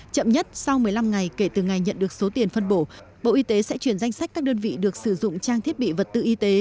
chậm nhất sau một mươi năm ngày kể từ ngày nhận được số tiền phân bộ bộ y tế sẽ chuyển danh sách các đơn vị được sử dụng trang thiết bị vật tư y tế